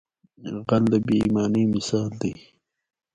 غل د بې ایمانۍ مثال دی